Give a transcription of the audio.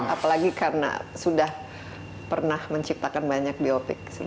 apalagi karena sudah pernah menciptakan banyak biopic